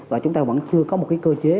và chúng ta vẫn chưa có một cái cơ chế